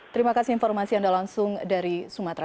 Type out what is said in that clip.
terima kasih informasi anda langsung dari sumatera